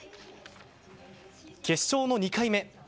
決勝の２回目。